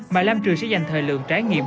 mà lam trường sẽ dành thời lượng trải nghiệm